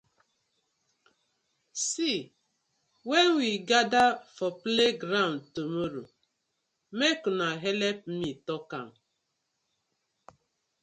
See wen we gather for playground tomorrow mek una helep me tok am.